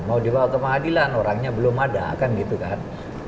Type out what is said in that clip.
mau dibawa ke pengadilan orangnya belum ada kan gitu kan